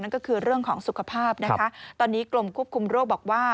ก็คือเรื่องของสุขภาพนะคะตอนนี้กรมควบคุมโรคบอกว่า